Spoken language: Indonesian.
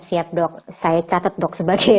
siap dok saya catat dok sebagai